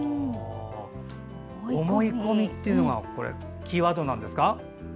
思い込みというのはキーワードなんですか？